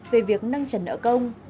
về việc nâng trần nợ công